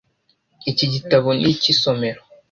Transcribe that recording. Iki gitabo ni icy'isomero.